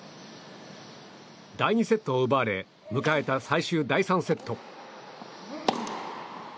第２セットを奪われ迎えた最終、第３セット。